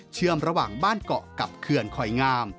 เชื่อมระหว่างบ้านเกาะกับเคือนคอยงาม